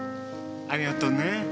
ありがとうね。